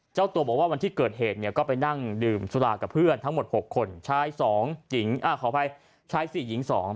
เจ้าตัวบอกว่าวันที่เกิดเหตุก็ไปนั่งดื่มสุราคมกับเพื่อนทั้งหมด๖คนชาย๔หญิง๒